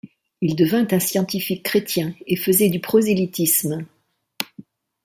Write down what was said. Il devint un scientifique chrétien et faisait du prosélytisme.